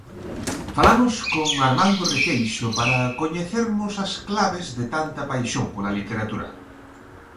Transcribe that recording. Falamos con Armando Requeixo para coñecermos as claves de tanta paixón pola literatura.